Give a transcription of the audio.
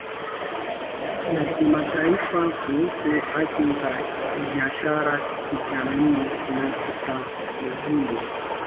ya Kimataifa Kuhusu Haki za Kibiashara Kijamii na Kitamaduni